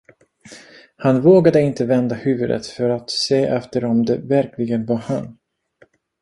Han vågade inte vända huvudet för att se efter om det verkligen var han.